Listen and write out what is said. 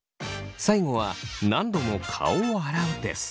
最後は何度も顔を洗うです。